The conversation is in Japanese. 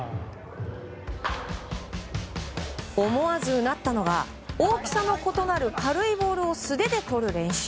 思わずうなったのが大きさの異なる軽いボールを素手でとる練習。